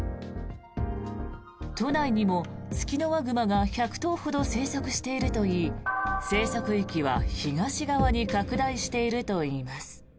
都内にもツキノワグマが１００頭ほど生息しているといい生息域は東側に拡大しているといいます。